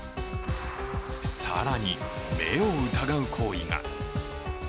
更に、目を疑う行為が。